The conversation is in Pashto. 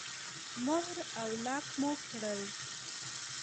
مهر او لاک مو کړل.